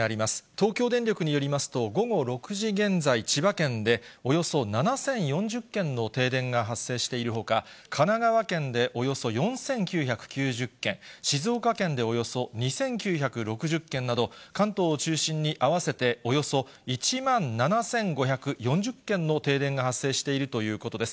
東京電力によりますと、午後６時現在、千葉県でおよそ７０４０軒の停電が発生しているほか、神奈川県でおよそ４９９０軒、静岡県でおよそ２９６０軒など、関東を中心に合わせておよそ１万７５４０軒の停電が発生しているということです。